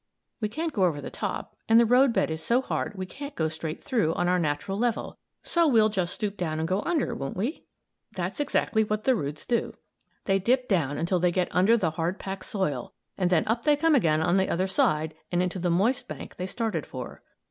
We can't go over the top, and the road bed is so hard we can't go straight through on our natural level so we'll just stoop down and go under, won't we? That's exactly what the roots do. They dip down until they get under the hard packed soil, and then up they come again on the other side and into the moist bank they started for.